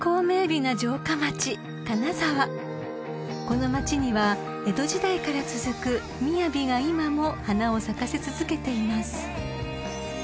［この町には江戸時代から続くみやびが今も花を咲かせ続けています］